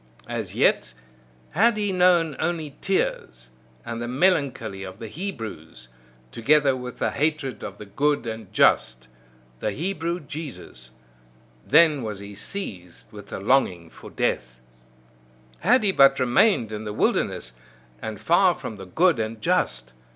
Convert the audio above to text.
As yet had he known only tears, and the melancholy of the Hebrews, together with the hatred of the good and just the Hebrew Jesus: then was he seized with the longing for death. Had he but remained in the wilderness, and far from the good and just!